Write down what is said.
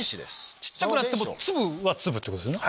小っちゃくなっても粒は粒ってことですよね。